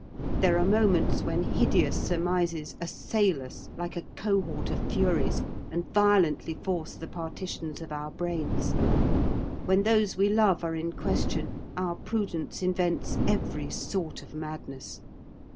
There are moments when hideous surmises assail us like a cohort of furies, and violently force the partitions of our brains. When those we love are in question, our prudence invents every sort of madness.